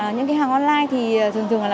những cái hàng online thì thường thường là